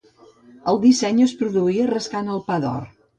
El disseny es produïa rascant el pa d'or.